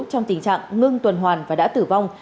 trong tình trạng ngưng tuần hoàn và đã tử vong